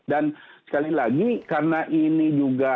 dan sekali lagi karena ini juga